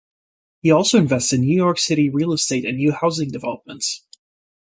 He also invests in New York City real estate and new housing developments.